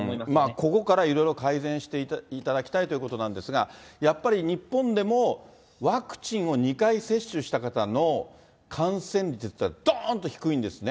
ここからいろいろ改善していただきたいということなんですが、やっぱり日本でもワクチンを２回接種した方の感染率っていうのは、どーんと低いんですね。